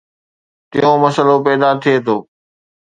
ٽيون مسئلو پيدا ٿئي ٿو